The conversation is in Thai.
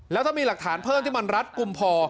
แล้วถ้ามีหลักฐานเพิ่มที่มันรัดกลุ่มพอ